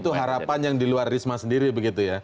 itu harapan yang di luar risma sendiri begitu ya